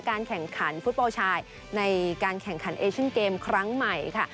การแข่งขันฟุตบอลชายในการแข่งขันเอเชียนเกมครั้งใหม่ค่ะ